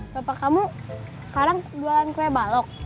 bapak kamu sekarang jualan kue balok